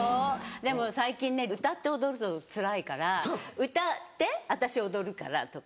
でも最近ね歌って踊るのつらいから「歌って私踊るから」とか。